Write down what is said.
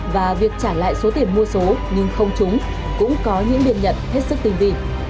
và việc trả lại số tiền mua số nhưng không trúng cũng có những biên nhận hết sức tinh vị